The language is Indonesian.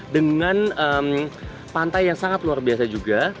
dengan pantai yang sangat luar biasa juga